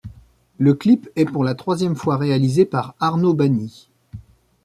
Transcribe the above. Le clip est pour la troisième fois réalisé par Arno Bani.